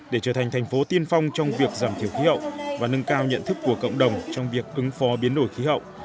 để trở thành thành phố tiên phong trong việc giảm thiểu khí hậu và nâng cao nhận thức của cộng đồng trong việc ứng phó biến đổi khí hậu